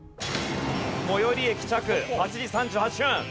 最寄り駅着８時３８分。